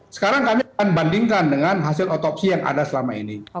sekarang kami akan bandingkan dengan hasil otopsi yang ada selama ini